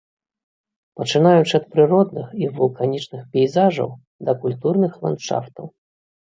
Пачынаючы ад прыродных і вулканічных пейзажаў да культурных ландшафтаў.